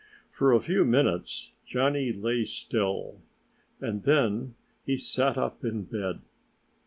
For a few minutes Johnnie lay still. And then he sat up in bed.